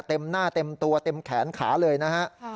เต็มหน้าเต็มตัวเต็มแขนขาเลยนะฮะ